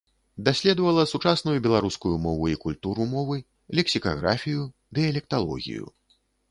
Даследавала сучасную беларускую мову і культуру мовы, лексікаграфію, дыялекталогію.